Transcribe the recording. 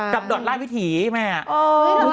กลับดอดร่ายวิถีใช่ไหมอ่ะ